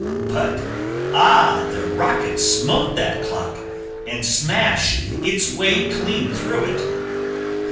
But, ah! the rocket smote that clock And smashed its way clean through it!